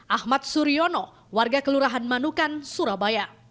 ahmad suryono warga kelurahan manukan surabaya